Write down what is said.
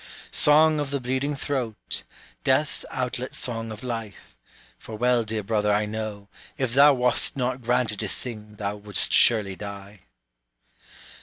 Song of the bleeding throat, Death's outlet song of life (for well, dear brother, I know, If thou wast not granted to sing thou wouldst surely die).